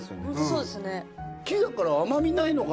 そうですね。